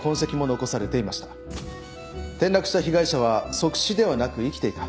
転落した被害者は即死ではなく生きていた。